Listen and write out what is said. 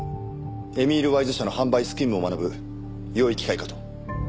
エミールワイズ社の販売スキームを学ぶよい機会かと。